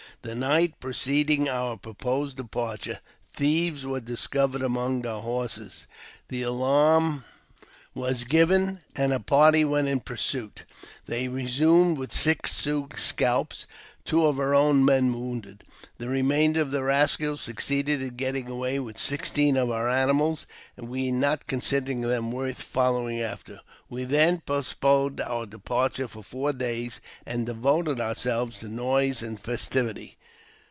The night preceding our proposed departure, thieves were discovered among our I JAMES P. BECKWOUBTH, 269 horses ; the alarm was given, and a party went in pursuit. They returned with six Sioux scalps, and two of our own men wounded. The remainder of the rascals succeeded in getting away with sixteen of our animals, we not considering them worth following after. We then postponed our departure four days, and devoted ourselves to noise and festivity.